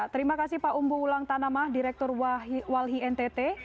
terima kasih pak umbu ulang tanamah direktur walhi ntt